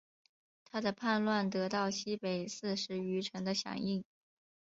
他的叛乱得到西北四十余城的响应。